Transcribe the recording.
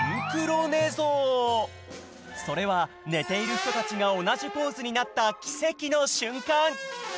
それはねているひとたちがおなじポーズになったきせきのしゅんかん